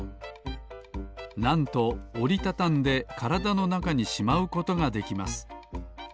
なんとおりたたんでからだのなかにしまうことができます。